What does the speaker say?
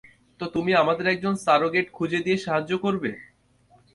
তো তুমি আমাদের একজন সারোগেট খুঁজে দিয়ে সাহায্য করবে?